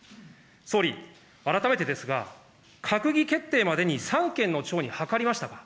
総理、改めてですが、閣議決定までに三権の長に諮りましたか。